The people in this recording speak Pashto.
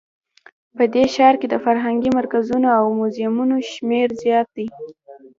په دې ښار کې د فرهنګي مرکزونو او موزیمونو شمیر زیات ده